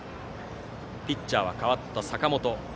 ピッチャーは代わった坂本。